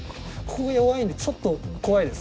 ここが弱いんでちょっと怖いです。